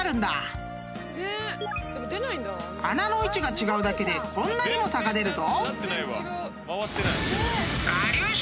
［穴の位置が違うだけでこんなにも差が出るぞ］